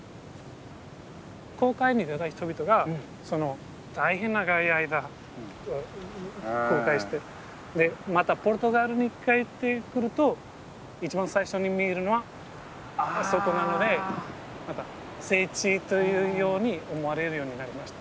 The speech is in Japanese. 航海に出た人々が大変長い間航海してでまたポルトガルに帰ってくると一番最初に見えるのはあそこなので聖地というように思われるようになりました。